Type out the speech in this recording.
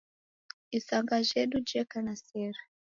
Isanga jhedu jeko na sere.